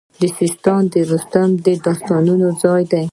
سیستان د رستم د داستانونو ځای دی